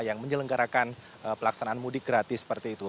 yang menyelenggarakan pelaksanaan mudik gratis seperti itu